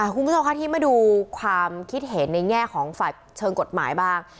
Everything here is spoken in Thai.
คุณผู้ชมคะที่มาดูความคิดเห็นในแง่ของฝ่ายเชิงกฎหมายบ้าง